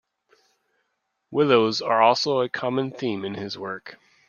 Willows are also a common theme in his work.